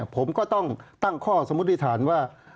ผมก็ต้องตั้งข้อสมมุติฐานว่า